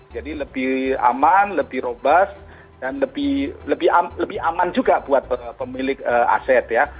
jadi lebih aman lebih robust dan lebih aman juga buat pemilik aset ya